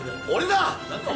俺だ！